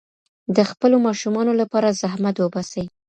د خپلو ماشومانو لپاره زحمت وباسئ.